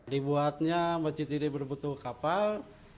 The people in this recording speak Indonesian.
dibuatnya masjid ini berbentuk kapal